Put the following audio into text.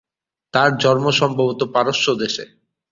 তার জন্ম সম্ভবত পারস্য দেশে।